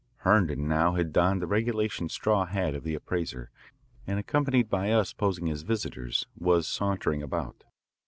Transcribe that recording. Herndon now had donned the regulation straw hat of the appraiser, and accompanied by us, posing as visitors, was sauntering about.